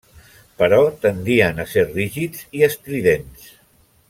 Però tendien a ser rígids i estridents.